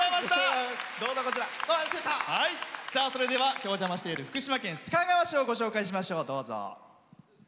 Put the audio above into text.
今日、お邪魔している福島県須賀川市をご紹介しましょう。